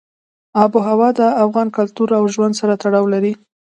آب وهوا د افغان کلتور او ژوند سره تړاو لري.